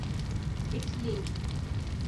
Italy